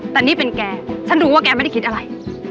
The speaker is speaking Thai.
แต่นี่เป็นแกฉันรู้ว่าแกไม่ได้คิดอะไร